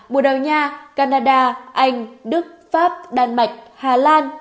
bồ đào nha canada anh đức pháp đan mạch hà lan